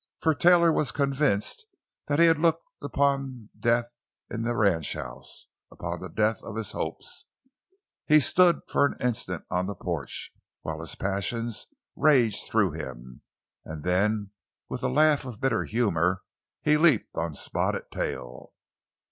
For Taylor was convinced that he had looked upon death in the ranchhouse—upon the death of his hopes. He stood for an instant on the porch, while his passions raged through him, and then with a laugh of bitter humor he leaped on Spotted Tail.